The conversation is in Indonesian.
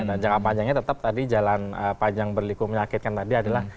dan jangka panjangnya tetap tadi jalan panjang berliku menyakitkan tadi adalah